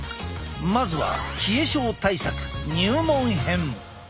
まずは冷え症対策入門編。